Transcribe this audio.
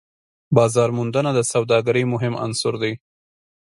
بازارموندنه د سوداګرۍ مهم عنصر دی.